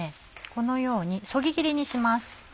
このようにそぎ切りにします。